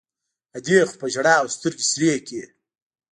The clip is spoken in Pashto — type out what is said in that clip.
ادې خو په ژړاوو سترګې سرې کړې.